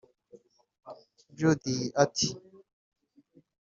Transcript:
Jody ati